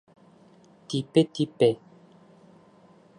Типе-типе!